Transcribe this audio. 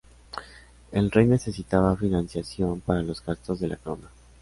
El rey necesitaba financiación para los gastos de la Corona.